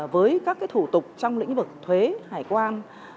với các thủ tục trong lĩnh vực thuế hải quan